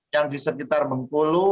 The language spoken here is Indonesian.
yang di sekitar bengkulu